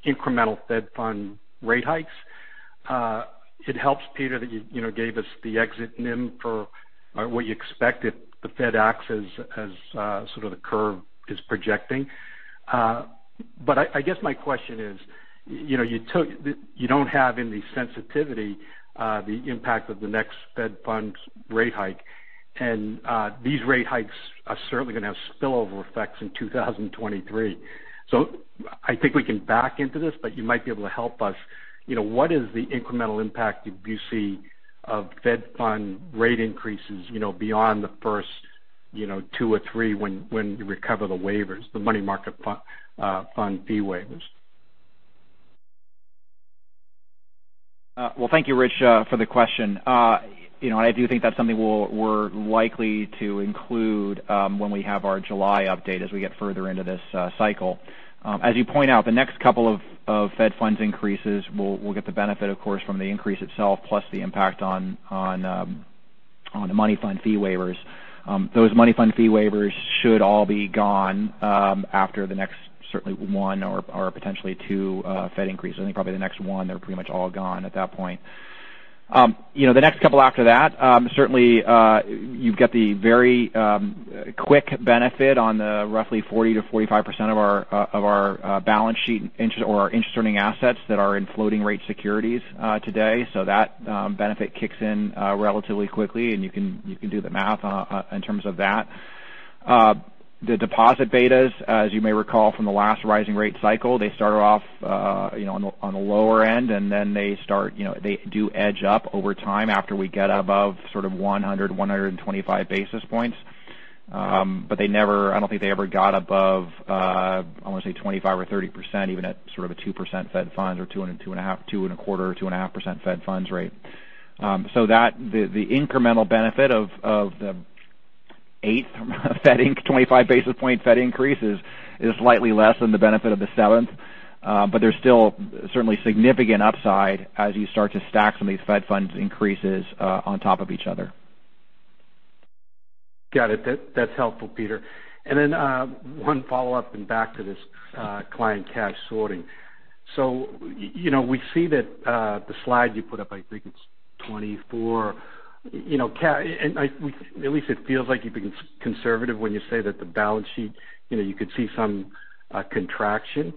incremental Fed funds rate hikes. It helps, Peter, that you know gave us the exit NIM for what you expect if the Fed acts as sort of the curve is projecting. But I guess my question is, you know, you don't have any sensitivity the impact of the next Fed funds rate hike. These rate hikes are certainly gonna have spillover effects in 2023. I think we can back into this, but you might be able to help us. You know, what is the incremental impact that you see of fed funds rate increases, you know, beyond the first, you know, two or three when you recover the waivers, the money market fund fee waivers? Well, thank you, Rich, for the question. You know, I do think that's something we're likely to include when we have our July update as we get further into this cycle. As you point out, the next couple of Fed Funds increases will get the benefit of course from the increase itself, plus the impact on the money fund fee waivers. Those money fund fee waivers should all be gone after the next certainly one or potentially two Fed increases. I think probably the next one, they're pretty much all gone at that point. You know, the next couple after that, certainly, you've got the very quick benefit on the roughly 40%-45% of our balance sheet interest or our interest earning assets that are in floating rate securities today. So that benefit kicks in relatively quickly, and you can do the math on terms of that. The deposit betas, as you may recall from the last rising rate cycle, they started off, you know, on the lower end, and then they start, you know, they do edge up over time after we get above sort of 100 basis points-125 basis points. But they never... I don't think they ever got above. I wanna say 25% or 30%, even at sort of a 2% Fed Funds or 2.5%, 2.25%, or 2.5% Fed Funds rate. That the incremental benefit of the eighth 25 basis point Fed increase is slightly less than the benefit of the seventh. There's still certainly significant upside as you start to stack some of these Fed Funds increases on top of each other. Got it. That's helpful, Peter. One follow-up and back to this client cash sorting. You know, we see that the slide you put up, I think it's 24. You know, at least it feels like you've been conservative when you say that the balance sheet, you know, you could see some contraction.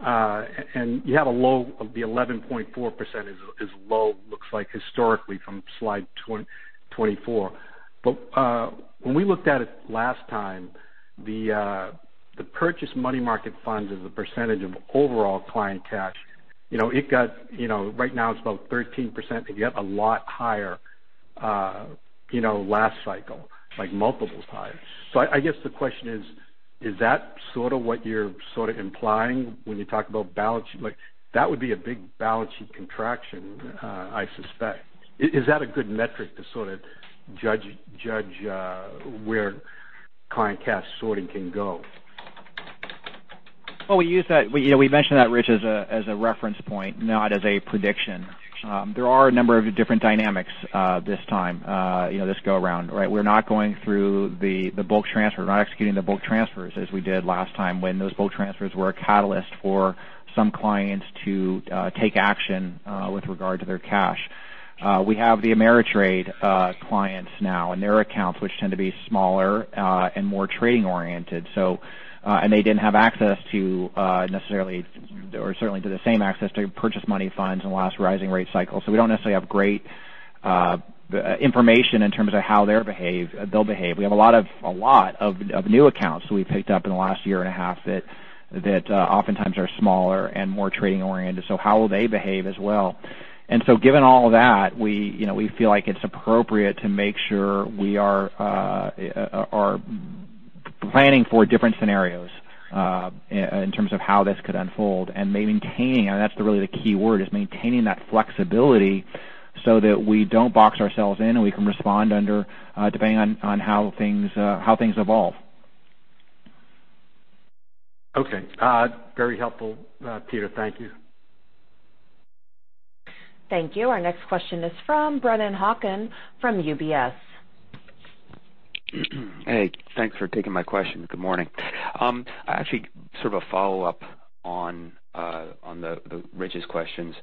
You have a low of the 11.4% is low, looks like historically from slide 24. When we looked at it last time, the purchased money market funds as a percentage of overall client cash, you know, it got, you know, right now it's about 13%, and yet a lot higher, you know, last cycle, like multiple times. I guess the question is that sort of what you're sort of implying when you talk about balance sheet? Like, that would be a big balance sheet contraction, I suspect. Is that a good metric to sort of judge where client cash sorting can go? Well, we use that. We, you know, we mentioned that, Rich, as a reference point, not as a prediction. There are a number of different dynamics this time, you know, this go around, right? We're not going through the bulk transfer. We're not executing the bulk transfers as we did last time when those bulk transfers were a catalyst for some clients to take action with regard to their cash. We have the Ameritrade clients now and their accounts which tend to be smaller and more trading oriented. They didn't have access to necessarily or certainly to the same access to money market funds in the last rising rate cycle. We don't necessarily have great information in terms of how they'll behave. We have a lot of new accounts that we picked up in the last year and a half that oftentimes are smaller and more trading oriented, so how will they behave as well. Given all of that, we, you know, we feel like it's appropriate to make sure we are planning for different scenarios in terms of how this could unfold and maintaining, and that's really the key word, is maintaining that flexibility so that we don't box ourselves in, and we can respond under, depending on how things evolve. Okay. Very helpful, Peter. Thank you. Thank you. Our next question is from Brennan Hawken from UBS. Hey, thanks for taking my question. Good morning. Actually sort of a follow-up on Rich's questions.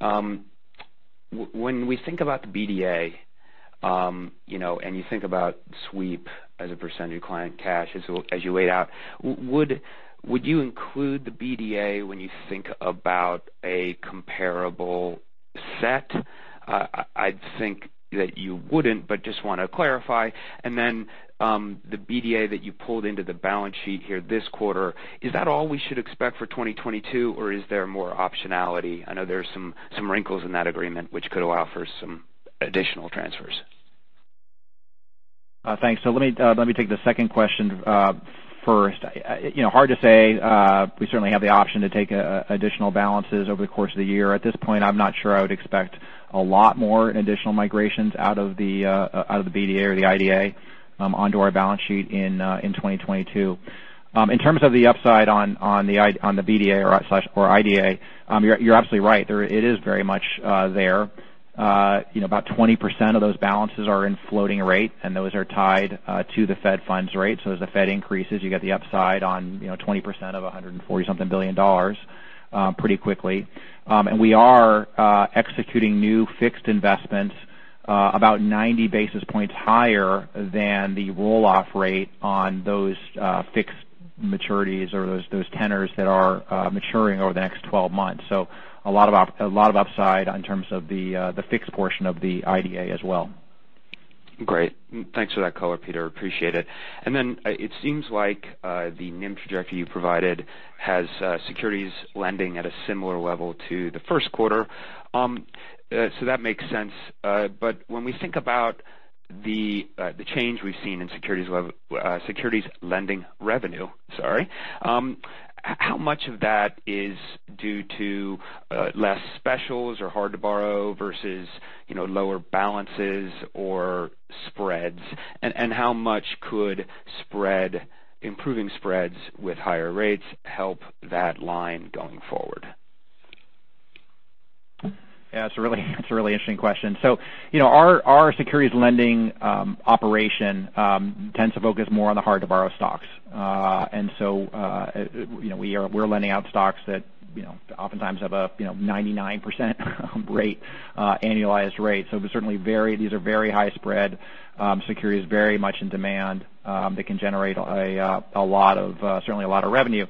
When we think about the BDA, you know, and you think about sweep as a percentage of client cash as you laid out, would you include the BDA when you think about a comparable set? I'd think that you wouldn't, but I just want to clarify. The BDA that you pulled into the balance sheet here this quarter, is that all we should expect for 2022, or is there more optionality? I know there's some wrinkles in that agreement which could allow for some additional transfers. Thanks. Let me take the second question first. You know, hard to say. We certainly have the option to take additional balances over the course of the year. At this point, I'm not sure I would expect a lot more in additional migrations out of the BDA or the IDA onto our balance sheet in 2022. In terms of the upside on the BDA or IDA, you're absolutely right. It is very much there. You know, about 20% of those balances are in floating rate, and those are tied to the Fed funds rate. As the Fed increases, you get the upside on, you know, 20% of about $140-something billion pretty quickly. We are executing new fixed investments about 90 basis points higher than the roll-off rate on those fixed maturities or those tenors that are maturing over the next 12 months. A lot of upside in terms of the fixed portion of the IDA as well. Great. Thanks for that color, Peter. Appreciate it. It seems like the NIM trajectory you provided has securities lending at a similar level to the first quarter. That makes sense. When we think about the change we've seen in securities lending revenue, sorry, how much of that is due to less specials or hard to borrow versus, you know, lower balances or spreads? How much could improving spreads with higher rates help that line going forward? Yeah, it's a really interesting question. You know, our securities lending operation tends to focus more on the hard to borrow stocks. You know, we're lending out stocks that you know oftentimes have a 99% rate, annualized rate. These are very high spread securities, very much in demand that can generate a lot of certainly a lot of revenue.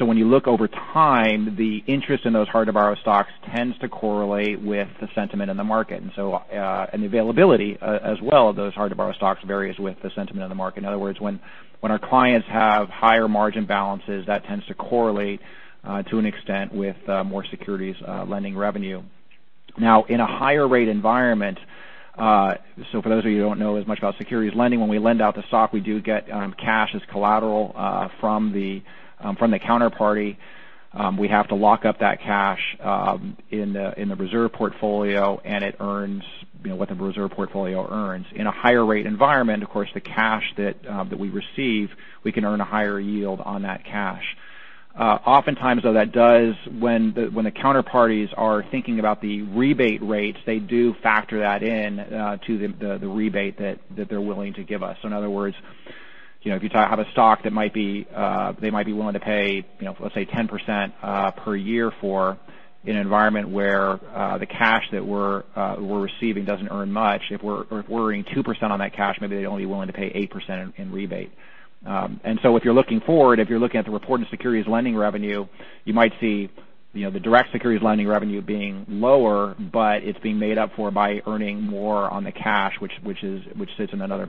When you look over time, the interest in those hard to borrow stocks tends to correlate with the sentiment in the market. The availability as well of those hard to borrow stocks varies with the sentiment in the market. In other words, when our clients have higher margin balances, that tends to correlate to an extent with more securities lending revenue. Now in a higher rate environment, so for those of you who don't know as much about securities lending, when we lend out the stock, we do get cash as collateral from the counterparty. We have to lock up that cash in the reserve portfolio, and it earns, you know, what the reserve portfolio earns. In a higher rate environment, of course, the cash that we receive, we can earn a higher yield on that cash. Oftentimes, though, that does when the counterparties are thinking about the rebate rates, they do factor that in to the rebate that they're willing to give us. In other words, you know, if you have a stock that might be they might be willing to pay, you know, let's say 10% per year for an environment where the cash that we're receiving doesn't earn much. If we're earning 2% on that cash, maybe they'd only be willing to pay 8% in rebate. If you're looking forward, if you're looking at the reported securities lending revenue, you might see, you know, the direct securities lending revenue being lower, but it's being made up for by earning more on the cash which sits in another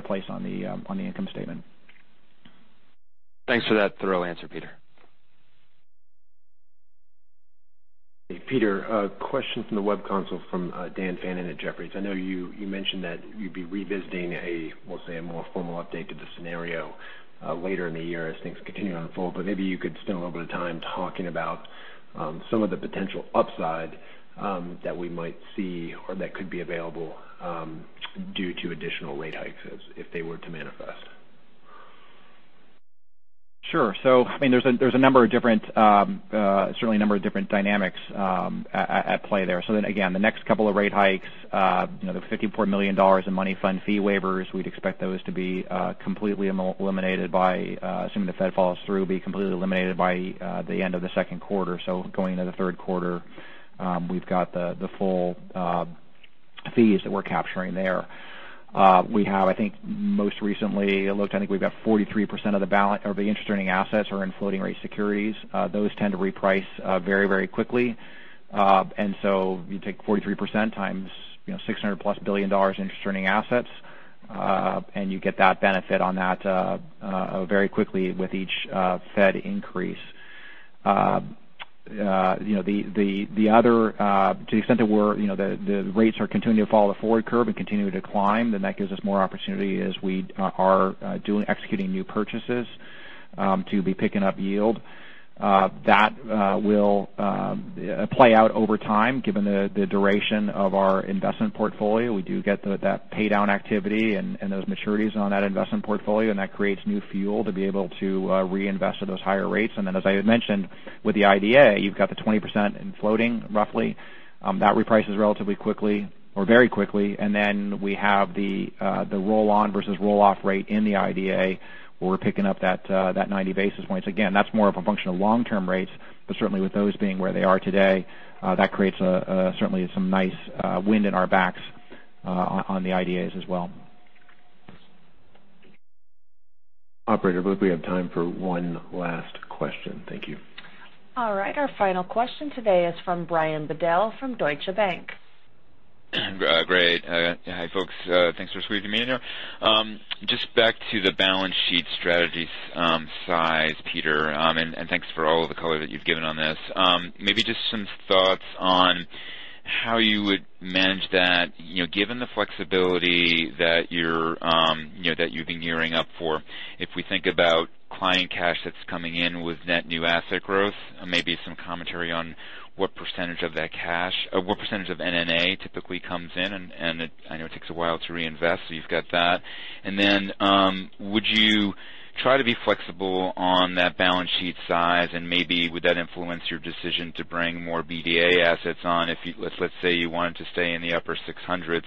place on the income statement. Thanks for that thorough answer, Peter. Peter, a question from the web console from Dan Fannon at Jefferies. I know you mentioned that you'd be revisiting a, we'll say, a more formal update to the scenario later in the year as things continue to unfold. Maybe you could spend a little bit of time talking about some of the potential upside that we might see or that could be available due to additional rate hikes as if they were to manifest. Sure. I mean, there's certainly a number of different dynamics at play there. Again, the next couple of rate hikes, the $54 million in money fund fee waivers, we'd expect those to be completely eliminated by, assuming the Fed follows through, the end of the second quarter. Going into the third quarter, we've got the full fees that we're capturing there. We have, I think most recently I looked, I think we've got 43% of the balance of the interest earning assets are in floating rate securities. Those tend to reprice very quickly. You take 43% times, you know, $600+ billion in interest-earning assets, and you get that benefit on that very quickly with each Fed increase. You know, the other, to the extent that we're, you know, the rates are continuing to follow the forward curve and continue to climb, then that gives us more opportunity as we are doing executing new purchases to be picking up yield. That will play out over time, given the duration of our investment portfolio. We do get that pay down activity and those maturities on that investment portfolio, and that creates new fuel to be able to reinvest at those higher rates. As I had mentioned with the IDA, you've got the 20% in floating roughly. That reprices relatively quickly or very quickly. Then we have the roll on versus roll off rate in the IDA, where we're picking up that 90 basis points. Again, that's more of a function of long-term rates, but certainly with those being where they are today, that creates certainly some nice wind at our backs on the IDAs as well. Operator, I believe we have time for one last question. Thank you. All right. Our final question today is from Brian Bedell from Deutsche Bank. Great. Hi, folks. Thanks for squeezing me in here. Just back to the balance sheet strategy, size, Peter, and thanks for all of the color that you've given on this. Maybe just some thoughts on how you would manage that, you know, given the flexibility that you're, you know, that you've been gearing up for. If we think about client cash that's coming in with net new asset growth, maybe some commentary on what percentage of that cash or what percentage of NNA typically comes in. It, I know it takes a while to reinvest, so you've got that. Would you try to be flexible on that balance sheet size? Maybe would that influence your decision to bring more BDA assets on if you, let's say you wanted to stay in the upper 600s,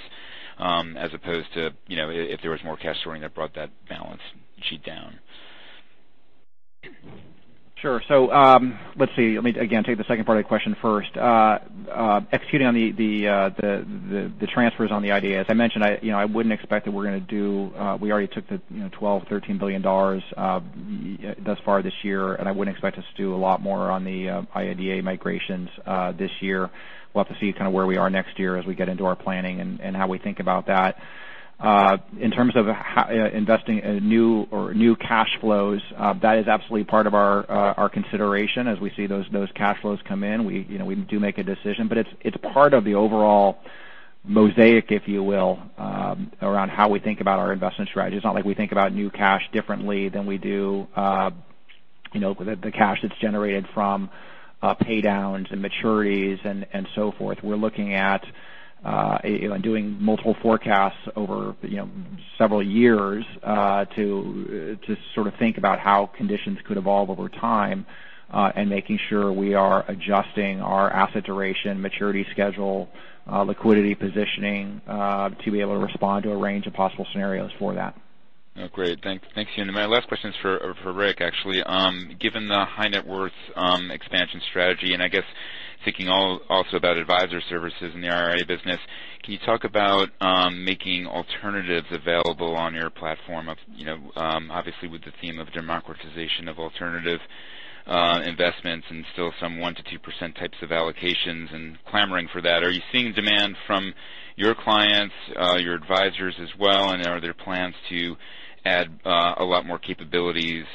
as opposed to, you know, if there was more cash flowing that brought that balance sheet down? Sure. Let's see. Let me again take the second part of the question first. Executing on the transfers on the IDA. As I mentioned, you know, I wouldn't expect that we're gonna do. We already took the, you know, $12 billion-$13 billion thus far this year, and I wouldn't expect us to do a lot more on the IDA migrations this year. We'll have to see kind of where we are next year as we get into our planning and how we think about that. In terms of how investing new cash flows, that is absolutely part of our consideration as we see those cash flows come in. You know, we do make a decision. It's part of the overall mosaic, if you will, around how we think about our investment strategy. It's not like we think about new cash differently than we do, you know, the cash that's generated from pay downs and maturities and so forth. We're looking at doing multiple forecasts over, you know, several years, to sort of think about how conditions could evolve over time, and making sure we are adjusting our asset duration maturity schedule, liquidity positioning, to be able to respond to a range of possible scenarios for that. Oh, great. Thank you. My last question is for Rick actually. Given the high net worth expansion strategy, and I guess thinking also about Advisor Services in the RIA business, can you talk about making alternatives available on your platform, you know, obviously with the theme of democratization of alternative investments and still some 1%-2% types of allocations and clamoring for that. Are you seeing demand from your clients, your advisors as well? Are there plans to add a lot more capabilities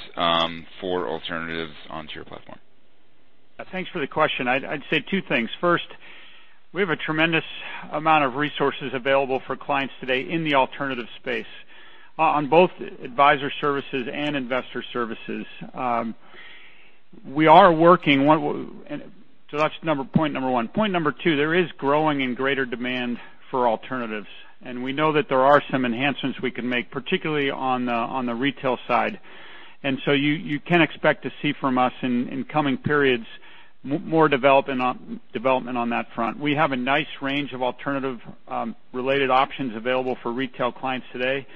for alternatives onto your platform? Thanks for the question. I'd say two things. First, we have a tremendous amount of resources available for clients today in the alternative space on both Advisor Services and Investor Services. So that's point number one. Point number two, there is growing and greater demand for alternatives, and we know that there are some enhancements we can make, particularly on the retail side. You can expect to see from us in coming periods more development on that front. We have a nice range of alternative related options available for retail clients today.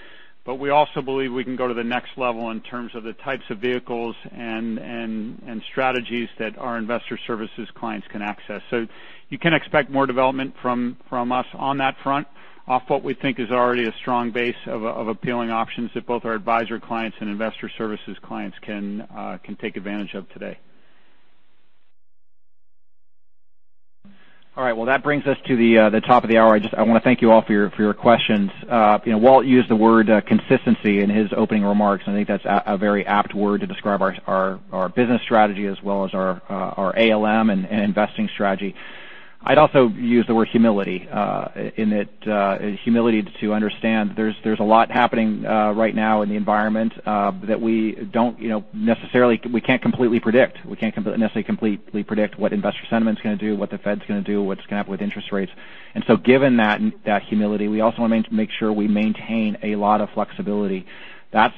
We also believe we can go to the next level in terms of the types of vehicles and strategies that our investor services clients can access. You can expect more development from us on that front of what we think is already a strong base of appealing options that both our advisor clients and investor services clients can take advantage of today. All right. Well, that brings us to the top of the hour. I just want to thank you all for your questions. You know, Walt used the word consistency in his opening remarks, and I think that's a very apt word to describe our business strategy as well as our ALM and investing strategy. I'd also use the word humility to understand there's a lot happening right now in the environment that we can't necessarily completely predict what investor sentiment is gonna do, what the Fed's gonna do, what's gonna happen with interest rates. Given that humility, we also want to make sure we maintain a lot of flexibility. That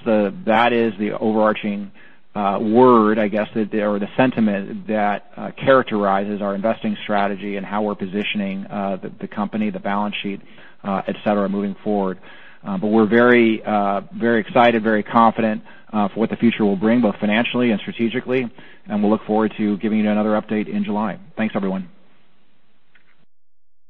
is the overarching word, I guess, or the sentiment that characterizes our investing strategy and how we're positioning the company, the balance sheet, et cetera, moving forward. But we're very, very excited, very confident, for what the future will bring, both financially and strategically. We'll look forward to giving you another update in July. Thanks, everyone.